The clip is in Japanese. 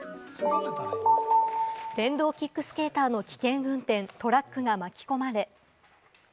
電動キックスターターの危険運転、トラックが巻き込まれ。